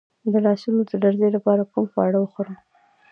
د لاسونو د لرزې لپاره کوم خواړه وخورم؟